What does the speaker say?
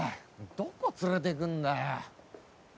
どこ連れてくんだよ。